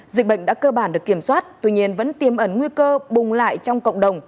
dịch bệnh đã cơ bản được kiểm soát tuy nhiên vẫn tiêm ẩn nguy cơ bùng lại trong cộng đồng